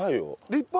立派。